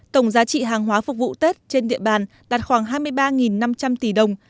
tổng giá trị hàng hóa phục vụ tết trên địa bàn đạt khoảng hai mươi ba năm trăm linh tỷ đồng